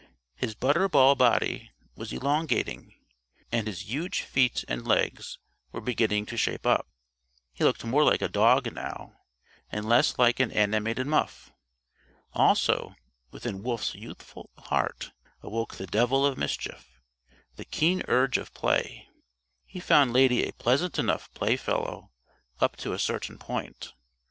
His butter ball body was elongating, and his huge feet and legs were beginning to shape up. He looked more like a dog now, and less like an animated muff. Also within Wolf's youthful heart awoke the devil of mischief, the keen urge of play. He found Lady a pleasant enough playfellow up to a certain point.